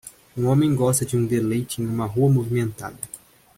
Um homem gosta de um deleite em uma rua movimentada.